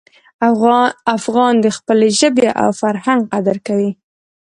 افغان د خپلې ژبې او فرهنګ قدر کوي.